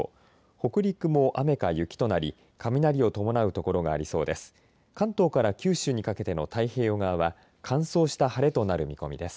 北陸も雨か雪となり雷を伴う所がありそうです。